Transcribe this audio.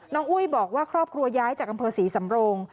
อุ้ยบอกว่าครอบครัวย้ายจากอำเภอศรีสำโรง